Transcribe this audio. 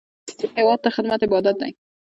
هېواد ته خدمت عبادت دی